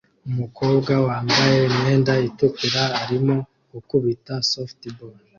Umukobwa wambaye imyenda itukura arimo gukubita softball